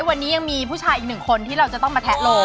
วันนี้ยังมีผู้ชายอีกหนึ่งคนที่เราจะต้องมาแทะโล